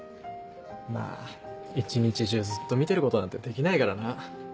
まぁ一日中ずっと見てることなんてできないからな。